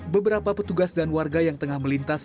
beberapa petugas dan warga yang tengah melintas